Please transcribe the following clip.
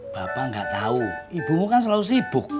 bapak nggak tahu ibumu kan selalu sibuk